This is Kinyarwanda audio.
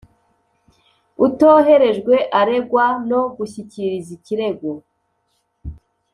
Utoherejwe aregwa no gushyikiriza ikirego